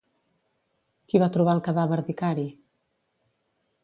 Qui va trobar el cadàver d'Icari?